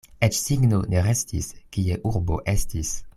Eĉ signo ne restis, kie urbo estis.